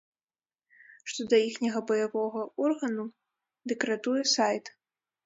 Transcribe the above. Што да іхняга баявога органу, дык ратуе сайт.